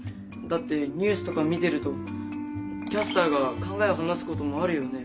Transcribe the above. だってニュースとか見てるとキャスターが考えを話すこともあるよね。